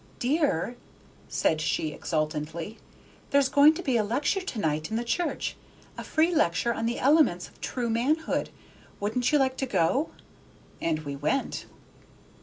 "Dear," said she, exultantly, "there's going to be a lecture to night in the church, a free lecture on the Elements of True Manhood. Wouldn't you like to go?" And we went.